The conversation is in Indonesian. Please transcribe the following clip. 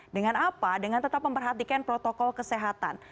dengan apa dengan tetap memperhatikan protokol kesehatan